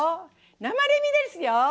生レミですよ！